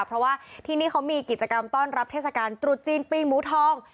เพราะว่าที่นี่เขามีกิจกรรมต้อนรับเทศกาลตรุษจีนปีหมูทอง